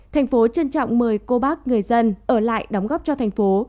thành phố trân trọng mời cô bác người dân ở lại đóng góp cho thành phố